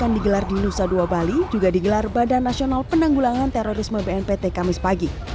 yang digelar di nusa dua bali juga digelar badan nasional penanggulangan terorisme bnpt kamis pagi